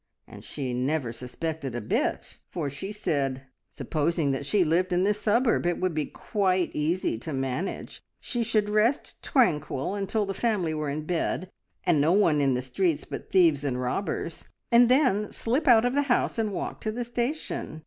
"`And she never suspected a bit, for she said: "`"Supposing that she lived in this suburb, it would be quite easy to manage. She should rest tranquil until the family were in bed, and no one in the streets but thieves and robbers, and then slip out of the house and walk to the station.